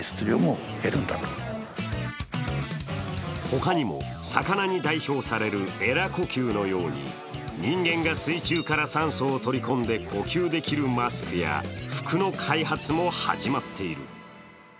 他にも、魚に代表されるえら呼吸のように人間が水中から酸素を取り込んで呼吸できるマスクや服の開発も始まっている。